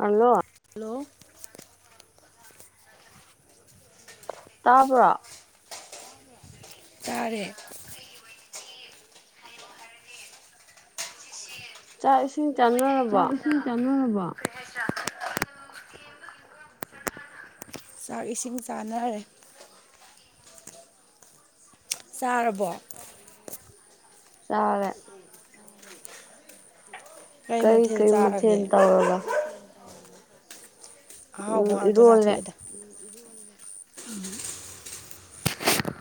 hello ꯑꯗꯨ ꯇꯥꯄ꯭ꯔꯣ ꯇꯔꯦ ꯆꯥꯏꯁꯤ ꯆꯥꯛ ꯏꯁꯤꯟ ꯆꯅꯔꯕꯣ [inaudible] ꯆꯥꯛ ꯏꯁꯤꯡ ꯆꯥꯅꯔꯦ ꯆꯥꯔꯕ ꯆꯔꯦ ꯀꯔꯤ ꯃꯊꯦꯜ ꯀꯔꯤ ꯃꯊꯦꯜ ꯆꯥꯔꯒꯦ ꯇꯧꯔꯕ ꯑꯍꯥꯎꯕ ꯎꯝ ꯉꯥꯛꯇ ꯏꯔꯣꯜꯂꯦ ꯆꯥꯊꯣꯛꯑꯦꯗ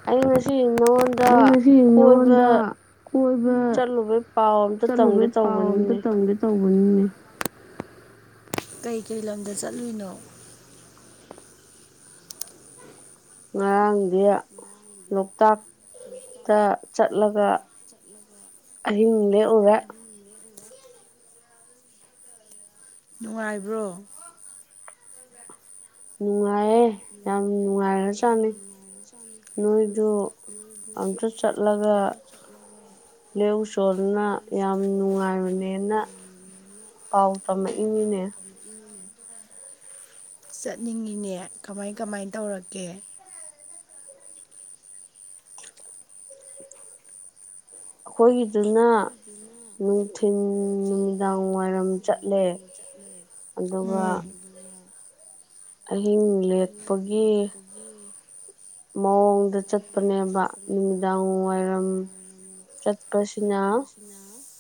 ꯑꯩ ꯉꯁꯤ ꯅꯉꯣꯟꯗ ꯅꯪ ꯉꯁꯤ ꯀꯣꯏꯕ ꯅꯉꯣꯟꯗ ꯀꯣꯏꯕ ꯆꯠꯂꯨꯕꯩ ꯄꯥꯎ ꯑꯝꯇ ꯇꯝꯒꯦ ꯆꯠꯂꯨꯕꯩ ꯄꯥꯎ ꯑꯝꯇ ꯇꯧꯕꯅꯤꯅꯦ ꯇꯝꯒꯦ ꯇꯧ ꯄꯨꯟꯅ ꯀꯩ ꯀꯔꯤ ꯂꯝꯗ ꯆꯠꯂꯨꯏꯅꯣ ꯉꯔꯥꯡꯗꯤ ꯂꯣꯛꯇꯥꯛꯇ ꯆꯠꯂꯒ ꯑꯍꯤꯡ ꯂꯦꯛꯎꯨꯔꯦ ꯅꯨꯡꯉꯥꯏꯕ꯭ꯔꯣ ꯎ ꯅꯨꯡꯉꯥꯏꯌꯦꯦ ꯌꯥꯝ ꯅꯨꯡꯉꯥꯏꯈ ꯆꯥꯠꯅꯤ ꯅꯣꯏꯗꯨ ꯑꯝꯇ ꯆꯠꯂꯒ ꯂꯩꯎ ꯆꯣꯗꯨꯅ ꯌꯥꯝ ꯅꯨꯡꯉꯥꯏꯕꯅꯦꯅ ꯄꯥꯎ ꯇꯃꯦ ꯏꯃꯤꯅꯦ ꯆꯠꯅꯤꯡꯉꯤꯅꯦ ꯀꯃꯥꯏ ꯀꯃꯥꯏ ꯇꯧꯔꯀꯦ ꯑꯩꯈꯣꯏꯒꯤꯗꯨꯅ ꯅꯨꯡꯊꯤꯤꯟ ꯅꯨꯃꯤꯗꯥꯡ ꯋꯥꯏꯔꯝ ꯆꯠꯂꯦ ꯑꯗꯨꯒ ꯎꯝ ꯑꯍꯤꯡ ꯂꯦꯛꯄꯒꯤ ꯃꯑꯣꯡꯗ ꯆꯠꯄꯅꯦꯕ ꯅꯨꯃꯤꯗꯥꯡ ꯋꯥꯏꯔꯝ ꯆꯠꯄꯁꯤꯅ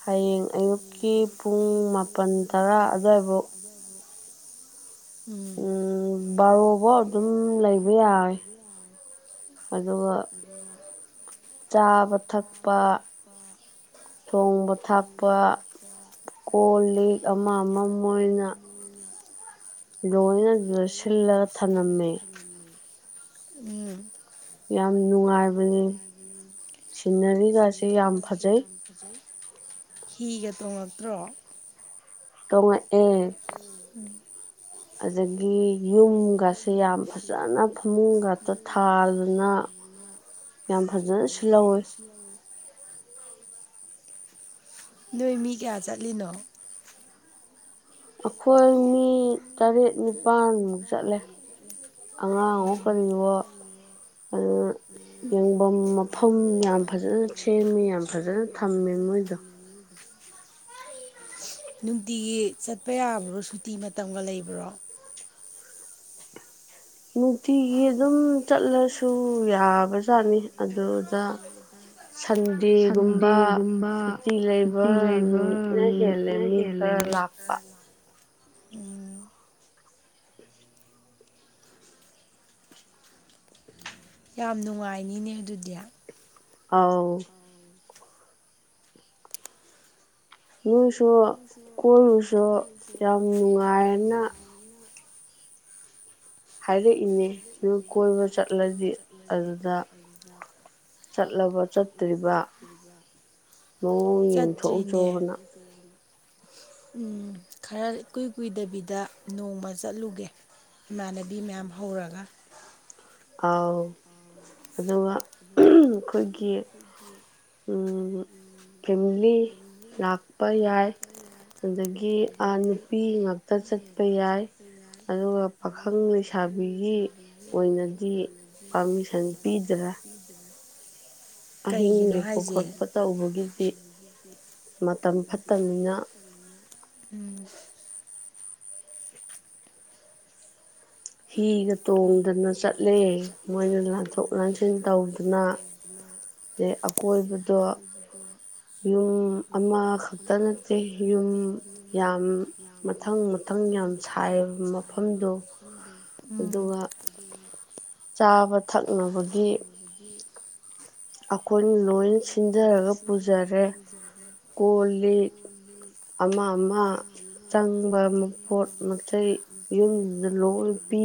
ꯍꯌꯦꯡ ꯑꯌꯨꯛꯀꯤ ꯄꯨꯡ ꯃꯥꯄꯜ ꯇꯔꯥ ꯑꯗꯨꯋꯥꯏꯐꯥꯎ ꯎꯝ ꯕꯥꯔꯣꯐ ꯑꯗꯨꯝ ꯂꯩꯕ ꯌꯥꯔꯦ ꯑꯗꯨꯒ ꯆꯥꯕ ꯊꯛꯄ ꯊꯣꯡꯕ ꯊꯥꯛꯄ ꯀꯣꯜ ꯂꯤꯛ ꯑꯃ ꯑꯃꯣꯏꯅ ꯂꯣꯏꯅ ꯑꯗꯨꯗ ꯁꯤꯜꯂꯒ ꯊꯝꯂꯝꯃꯦ ꯎꯝ ꯌꯥꯝ ꯅꯨꯡꯉꯥꯏꯕꯅꯦ ꯁꯤꯅꯔꯤꯒꯁꯤꯁꯦ ꯌꯥꯝ ꯐꯖꯩ ꯍꯤꯒ ꯇꯣꯡꯉꯛꯇ꯭ꯔꯣ ꯇꯣꯡꯉꯛꯑꯦ ꯑꯗꯒꯤ ꯌꯨꯝꯒꯁꯦ ꯌꯥꯝ ꯐꯖꯅ ꯐꯃꯨꯡꯒꯛꯇ ꯊꯥꯗꯅ ꯌꯥꯝ ꯐꯖꯅ ꯁꯤꯜꯍꯧꯋꯤ ꯑꯩꯣꯏ ꯃꯤ ꯀꯌꯥ ꯆꯠꯂꯤꯅꯣ ꯑꯩꯈꯣꯏ ꯃꯤ ꯇꯔꯦꯠ ꯅꯤꯄꯥꯜꯃꯨꯛ ꯆꯠꯂꯦ ꯑꯉꯥꯡꯣ ꯀꯔꯤꯋꯣ ꯑꯗꯨ ꯌꯦꯡꯐꯝ ꯃꯐꯝ ꯌꯥꯝ ꯐꯖꯅ ꯁꯦꯝꯃꯦ ꯌꯥꯝ ꯐꯖꯅ ꯊꯝꯃꯦ ꯃꯣꯏꯗꯣ ꯅꯨꯡꯇꯤꯒꯤ ꯆꯠꯄ ꯌꯥꯕ꯭ꯔꯣ ꯁꯨꯇꯤ ꯃꯇꯝꯒ ꯂꯩꯕ꯭ꯔꯣ ꯅꯨꯡꯇꯤꯒꯤ ꯑꯗꯨꯝ ꯆꯠꯂꯁꯨ ꯌꯥꯕꯖꯥꯠꯅꯤ ꯑꯗꯨꯗ ꯁꯟꯗꯦꯒꯨꯝꯕ ꯁꯨꯇꯤ ꯂꯩꯕ ꯅꯨꯃꯤꯠꯅ ꯍꯦꯜꯂꯦ ꯃꯤ ꯈꯔ ꯂꯥꯛꯄ ꯎꯝ ꯌꯥꯝ ꯅꯨꯡꯉꯥꯏꯅꯤꯅꯦ ꯑꯗꯨꯗꯤ ꯑꯥꯎ ꯎꯝ ꯁꯣ ꯀꯣꯏꯔꯨꯁꯨ ꯌꯥꯝ ꯅꯨꯡꯉꯥꯏꯅ ꯑ ꯍꯥꯏꯔꯛꯏꯅꯦ ꯅꯣꯏ ꯀꯣꯏꯕ ꯆꯠꯂꯗꯤ ꯑꯗꯨꯗ ꯆꯠꯂꯕ ꯐꯠꯇ꯭ꯔꯤꯕ ꯃꯑꯣꯡ ꯌꯦꯡꯊꯣꯛꯎ ꯆꯅ ꯎ ꯈꯔ ꯏꯀꯨꯏ ꯀꯨꯏꯗꯕꯤꯗ ꯅꯣꯡꯃ ꯆꯠꯂꯨꯒꯦ ꯏꯃꯥꯟꯅꯕꯤ ꯃꯌꯥꯝ ꯍꯧꯔꯒ ꯑꯥꯎ ꯑꯗꯨꯒ ꯑꯩꯈꯣꯏꯒꯤ ꯐꯦꯃꯤꯂꯤ ꯂꯥꯛꯄ ꯌꯥꯏ ꯑꯗꯒꯤ ꯅꯨꯄꯤ ꯉꯥꯛꯇ ꯆꯠꯄ ꯌꯥꯏ ꯑꯗꯨꯒ ꯄꯥꯈꯪ ꯂꯩꯁꯥꯕꯤꯒꯤ ꯑꯣꯏꯅ ꯁꯤ ꯄꯥꯔꯃꯤꯁꯟ ꯄꯤꯗ꯭ꯔꯥ ꯑꯍꯤꯡ ꯀꯩꯒꯤꯅꯣ ꯂꯦꯛꯄ ꯍꯥꯏꯁꯦ ꯈꯣꯠꯄ ꯇꯧꯕꯒꯤꯗꯤ ꯃꯇꯝ ꯐꯠꯇꯕꯅꯤꯅ ꯎꯝ ꯍꯤꯒ ꯇꯣꯡꯗꯅ ꯆꯠꯂꯦ ꯃꯣꯏꯅ ꯂꯥꯟꯊꯣꯛ ꯂꯥꯟꯁꯤꯟ ꯇꯧꯗꯅ ꯑꯩ ꯑꯀꯣꯏꯕꯗꯣ ꯌꯨꯝ ꯑꯃꯈꯛꯇ ꯅꯠꯇꯦ ꯌꯨꯝ ꯌꯥꯝ ꯃꯊꯪ ꯃꯊꯪ ꯌꯥꯝ ꯁꯥꯏꯕ ꯃꯐꯝꯗꯣ ꯎꯝ ꯑꯗꯨꯒ ꯆꯥꯕ ꯊꯛꯅꯕꯒꯤ ꯑꯩꯈꯣꯏꯅ ꯂꯣꯏ ꯁꯤꯟꯖꯔꯒ ꯄꯨꯖꯔꯦ ꯀꯣ ꯂꯤꯛ ꯑꯃ ꯑꯃ ꯆꯪꯕ ꯃꯄꯣꯠ ꯃꯆꯩ ꯌꯨꯝꯗꯨꯗ ꯂꯣꯏ ꯄꯤ